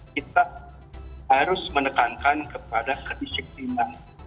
kita harus menekankan kepada kedisiplinan